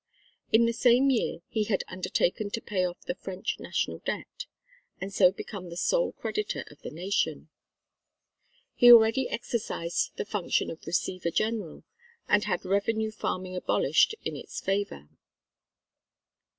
In the same year he had undertaken to pay off the French National Debt, and so become the sole creditor of the Nation. He already exercised the functions of Receiver General and had revenue farming abolished in its favour.